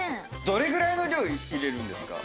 どれぐらいの量入れるんですか？